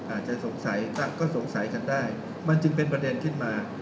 อาจจะสงสัยก็สงสัยกันได้มันจึงเป็นประเด็นขึ้นมา